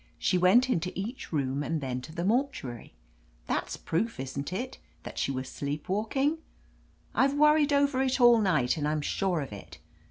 She went into each room and then to the mortuary. That's proof, isn't it, that she was sleep walk ing? I've worried over it all night, and I'm sure of it.